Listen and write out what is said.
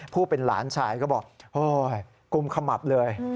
ผู้เป็นหลานชายก็บอกเฮ้ยกุมขมับเลย